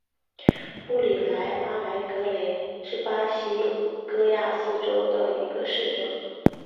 布里蒂阿莱格雷是巴西戈亚斯州的一个市镇。